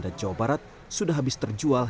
dan jawa barat sudah habis terjual